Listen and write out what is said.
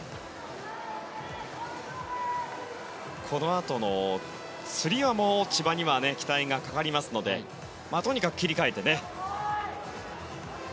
このあとのつり輪も千葉には期待がかかりますのでとにかく切り替えてね。